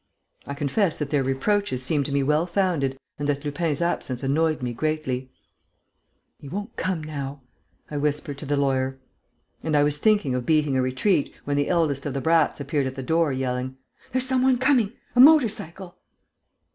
I confess that their reproaches seemed to me well founded and that Lupin's absence annoyed me greatly: "He won't come now," I whispered to the lawyer. And I was thinking of beating a retreat, when the eldest of the brats appeared at the door, yelling: "There's some one coming!... A motor cycle!..."